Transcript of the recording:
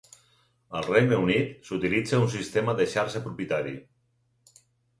Al Regne Unit, s'utilitza un sistema de xarxa propietari.